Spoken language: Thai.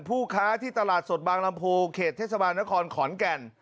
ผู้ค้าที่ตลาดสดบางลำพูเขตเทศบาลนครขอนแก่น